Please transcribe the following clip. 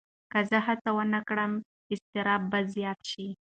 که زه هڅه ونه کړم، اضطراب به زیات شي.